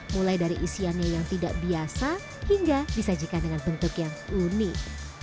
mulai dari isiannya yang tidak biasa hingga disajikan dengan bentuk yang unik